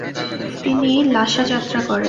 তিনি লাসা যাত্রা করেন।